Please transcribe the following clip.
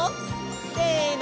せの！